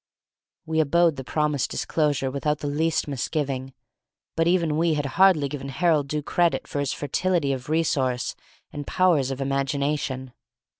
We abode the promised disclosure without the least misgiving; but even we had hardly given Harold due credit for his fertility of resource and powers of imagination.